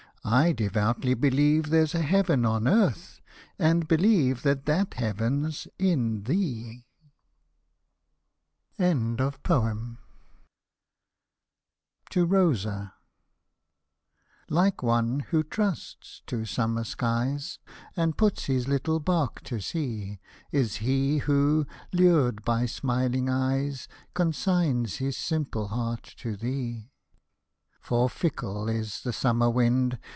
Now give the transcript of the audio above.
I devoutly believe there's a heaven on earth, And believe that that heaven's in thee !" Hosted by Google 68 EARLY POEMS, BALLADS, AND SONGS TO ROSA Like one who trusts to summer skies, And puts his little bark to sea, Is he who, lured by smiling eyes, Consigns his simple heart to thee. For fickle is the summer wind.